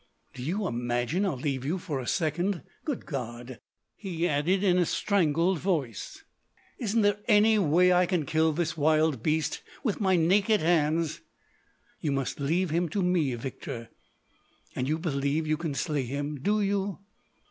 "Do you imagine I'd leave you for a second? Good God," he added in a strangled voice, "isn't there any way I can kill this wild beast? With my naked hands——?" "You must leave him to me, Victor." "And you believe you can slay him? Do you?"